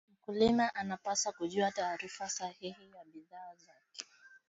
Mkulima anapaswa kujua taarifa sahihi ya bidhaa zake